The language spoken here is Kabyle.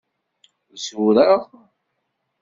Zureɣ?